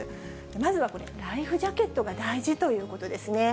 まずはこれ、ライフジャケットが大事ということですね。